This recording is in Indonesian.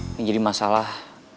ini jadi masalah